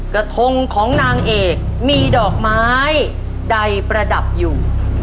กระทงของนางเอกมีดอกไม้ใดประดับอยู่